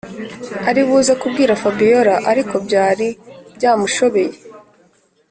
aribuze kubwira fabiora ariko byari byamushobeye.